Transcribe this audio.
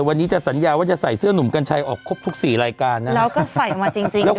วันนี้จะสัญญาว่าจะใส่เสื้อหนุ่มกัญชัยออกครบทุกสี่รายการนะฮะแล้วก็ใส่มาจริงจริง